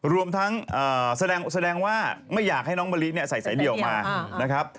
รวมทั้งแสดงที่ไม่อยากให้น้องบะลิใส่สายเดี่ยวมา